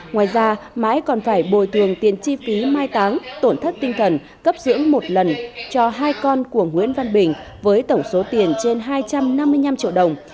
ngoài ra mãi còn phải bồi thường tiền chi phí mai táng tổn thất tinh thần cấp dưỡng một lần cho hai con của nguyễn văn bình với tổng số tiền trên hai trăm năm mươi năm triệu đồng